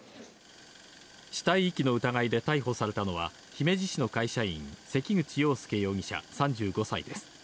死体遺棄の疑いで逮捕されたのは姫路市の会社員・関口羊佑容疑者３５歳です。